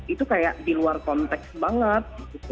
itu kayak di luar konteks banget